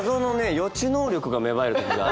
予知能力が芽生える時があって。